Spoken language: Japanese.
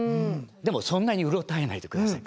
でもそんなにうろたえないで下さい。